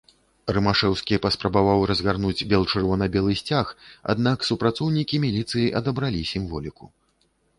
Рымашэўскі паспрабаваў разгарнуць бел-чырвона-белы сцяг, аднак супрацоўнікі міліцыі адабралі сімволіку.